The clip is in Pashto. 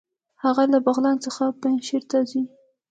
هغه له بغلان څخه پنجهیر ته ځي.